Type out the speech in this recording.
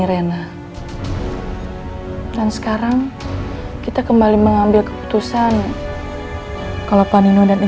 reina itu anak yang mbak andi